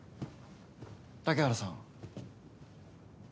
竹原さん。